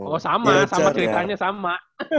oh sama sama ceritanya sama